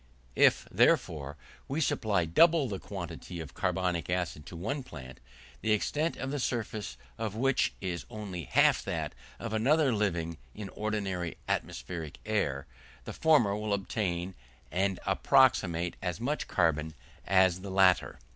If, therefore, we supply double the quantity of carbonic acid to one plant, the extent of the surface of which is only half that of another living in ordinary atmospheric air, the former will obtain and appropriate as much carbon as the latter.